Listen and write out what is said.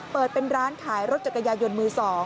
เปิดเป็นร้านขายรถจักรยายนมือ๒